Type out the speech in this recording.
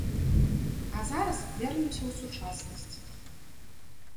А зараз вернемся ў сучаснасць.